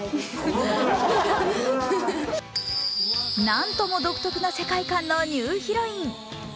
何とも独特な世界観のニューヒロイン。